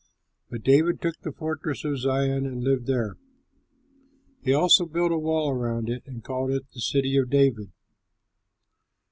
But David took the fortress of Zion, and lived there. He also built a wall around it, and called it the City of David.